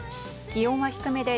気温は低めで